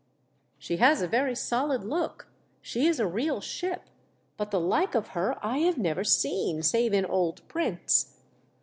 " She has a very solid look — she is a real ship, but the like of her I have never seen, save in old prints.